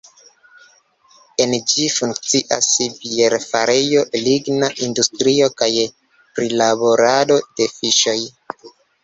En ĝi funkcias bierfarejo, ligna industrio kaj prilaborado de fiŝoj.